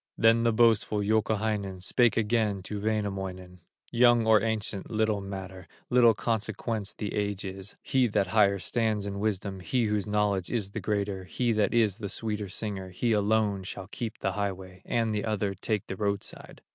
Then the boastful Youkahainen Spake again to Wainamoinen: "Young or ancient, little matter, Little consequence the age is; He that higher stands in wisdom, He whose knowledge is the greater, He that is the sweeter singer, He alone shall keep the highway, And the other take the roadside.